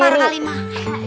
lapar kali mak